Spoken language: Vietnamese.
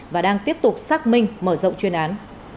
và đang tiếp tục xác minh mở rộng chuyên án